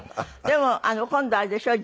でも今度あれでしょ？